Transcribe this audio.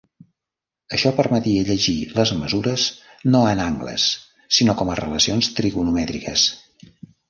Això permetia llegir les mesures no en angles sinó com a relacions trigonomètriques.